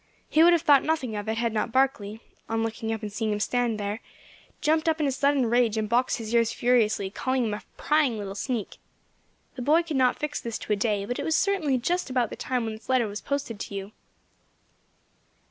He would have thought nothing of it had not Barkley, on looking up and seeing him standing there, jumped up in a sudden rage and boxed his ears furiously, calling him a prying little sneak. The boy could not fix this to a day, but it was certainly just about the time when this letter was posted to you.